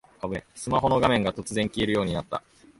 スマホの画面が突然消えるようになった